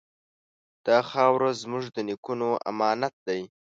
دا خاوره زموږ د نیکونو امانت دی.